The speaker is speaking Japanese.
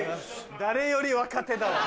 誰より若手だわ。